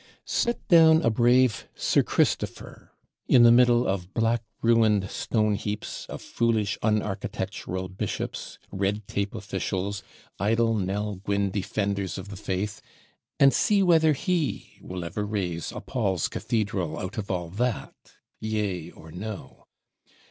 Set down a brave Sir Christopher in the middle of black ruined Stone heaps, of foolish unarchitectural Bishops, red tape Officials, idle Nell Gwynn Defenders of the Faith; and see whether he will ever raise a Paul's Cathedral out of all that, yea or no!